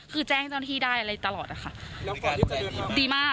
คือแจ้งตอนที่ได้เลยตลอดค่ะ